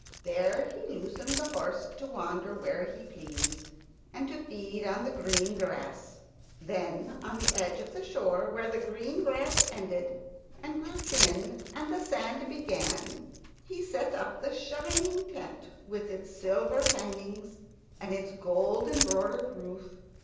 There he loosed the horse to wander where he pleased, and to feed on the green grass. Then on the edge of the shore, where the green grass ended and grew thin and the sand began, he set up the shining tent, with its silver hangings and its gold embroidered roof.